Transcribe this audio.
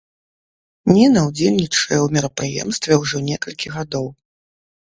Ніна ўдзельнічае ў мерапрыемстве ўжо некалькі гадоў.